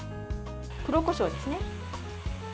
黒こしょうですね。